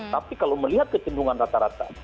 tapi kalau melihat kecenderungan rata rata